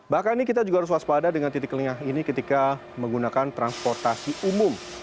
bahkan ini kita juga harus waspada dengan titik lengah ini ketika menggunakan transportasi umum